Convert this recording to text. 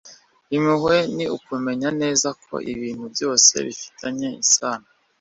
impuhwe ni ukumenya neza ko ibintu byose bifitanye isano